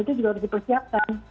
itu juga harus dipersiapkan